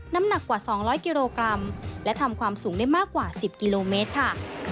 น้ำหนักกว่า๒๐๐กิโลกรัมและทำความสูงได้มากกว่า๑๐กิโลเมตรค่ะ